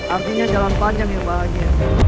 artinya jalan panjang ya pak haji